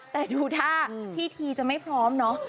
แต่ดูท่าทีจะไม่พร้อมเนาะ